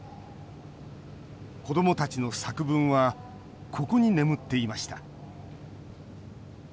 子どもたちの作文はここに眠っていました。